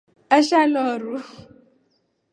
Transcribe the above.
Asha loru.